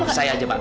pak saya saja pak